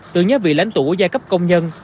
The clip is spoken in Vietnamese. tưởng nhớ vị lãnh tụ gia cấp công nhân